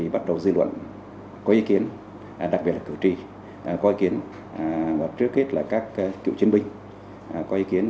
bắt đầu dư luận có ý kiến đặc biệt là cử tri có ý kiến và trước hết là các cựu chiến binh có ý kiến